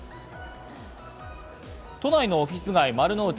都内のオフィス街・丸の内。